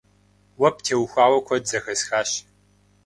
Уэ птеухауэ куэд зэхэсхащ.